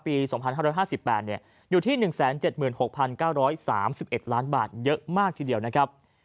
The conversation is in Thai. ปี๒๕๕๘อยู่ที่๑๗๖๙๓๑ล้านบาทเยอะมากทีเดียวนะครับ